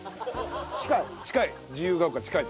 近い？